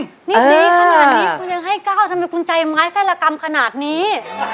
นี่ดีขนาดนี้คุณยังให้ก้าวทำไมคุณใจไม้เส้นละกรรมขนาดนี้